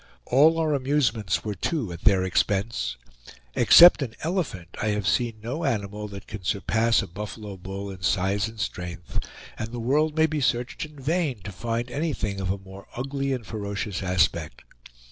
All our amusements were too at their expense. Except an elephant, I have seen no animal that can surpass a buffalo bull in size and strength, and the world may be searched in vain to find anything of a more ugly and ferocious aspect.